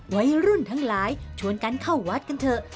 วัยรุ่นทั้งหลายชวนกันเข้าวัดกันเถอะ